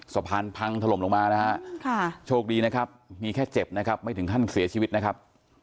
สะพานพังถล่มลงมานะฮะโชคดีนะครับมีแค่เจ็บนะครับไม่ถึงขั้นเสียชีวิตนะครับ